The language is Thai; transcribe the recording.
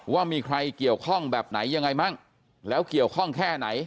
ว่ามีใครเกี่ยวข้องแบบไหนยังไงบ้างแล้วเกี่ยวข้องแค่ไหน